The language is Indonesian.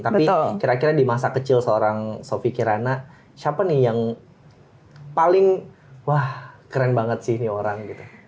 tapi kira kira di masa kecil seorang sofi kirana siapa nih yang paling wah keren banget sih ini orang gitu